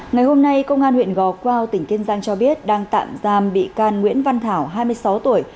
ngày hôm nay công an huyện gò quao tỉnh kiên giang cho biết đang tạm giam bị can nguyễn văn thảo hai mươi sáu tuổi